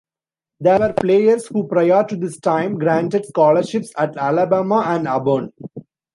There were players who, prior to this time, granted scholarships at Alabama and Auburn.